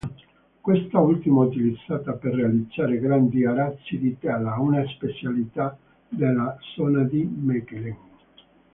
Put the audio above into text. Quest'ultima utilizzata per realizzare grandi arazzi di tela, una specialità della zona di Mechelen.